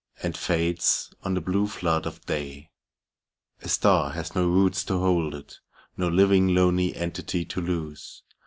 And fades on the blue flood of day. A star has do roots to hold it, No living lonely entity to lose.